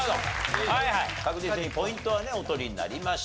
確実にポイントはねお取りになりました。